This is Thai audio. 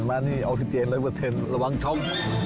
มานี่ออกซิเจน๑๐๐ระวังช้อม